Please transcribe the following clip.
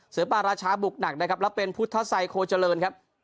เสือป่าราชาบุกหนักนะครับแล้วเป็นพุทธศัยโคเจริญครับ